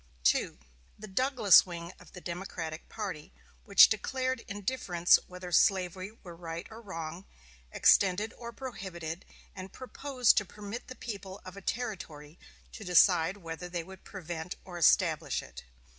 2. The Douglas wing of the Democratic party, which declared indifference whether slavery were right or wrong, extended or prohibited, and proposed to permit the people of a Territory to decide whether they would prevent or establish it.